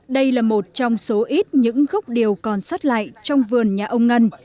đây là một trong số ít những gốc điều còn sót lại trong vườn nhà ông ngân